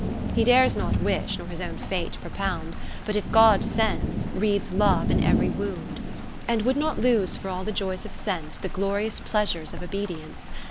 He dares not wish, nor his own fate propound ; Butj if God sends, reads Love in every wound : And would not lose for all the joys of sense The glorious pleasures of obedience.